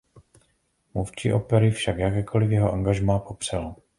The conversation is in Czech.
Mluvčí opery však jakékoli jeho angažmá popřel.